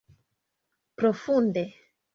Profunde!